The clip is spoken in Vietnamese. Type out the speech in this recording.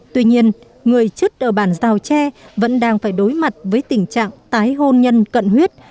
tuy nhiên người chức ở bàn rào tre vẫn đang phải đối mặt với tình trạng tái hôn nhân cận huyết